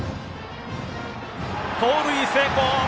盗塁成功！